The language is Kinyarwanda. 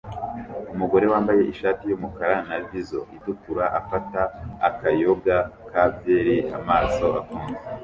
Umugore wambaye ishati yumukara na visor itukura afata akayoga ka byeri amaso afunze